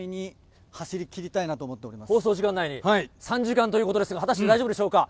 ３時間ということですが、果たして、大丈夫でしょうか？